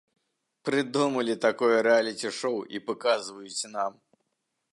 Прыдумалі такое рэаліці-шоў і паказваюць нам.